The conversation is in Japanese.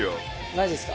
マジですか。